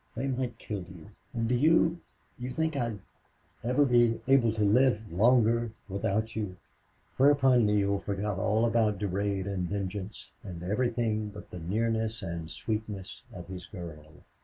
"They might kill you. And do you you think I'd ever be able to live longer without you?" Whereupon Neale forgot all about Durade and vengeance, and everything but the nearness and sweetness of this girl.